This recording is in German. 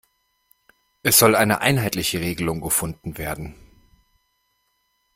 Es soll eine einheitliche Regelung gefunden werden.